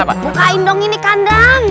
bukain dong ini kandang